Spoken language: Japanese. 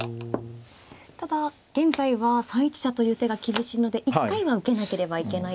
ただ現在は３一飛車という手が厳しいので一回は受けなければいけないという。